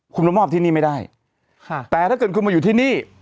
คุณมามอบที่นี่ไม่ได้ค่ะแต่ถ้าเกิดคุณมาอยู่ที่นี่